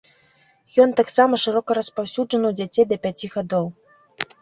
Ён таксама шырока распаўсюджаны ў дзяцей да пяці гадоў.